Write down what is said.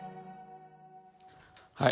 はい。